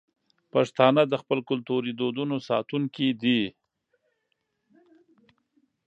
پښتانه د خپلو کلتوري دودونو ساتونکي دي.